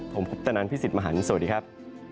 ผมพุทธนันทร์พี่สิทธิ์มหันธ์สวัสดีครับ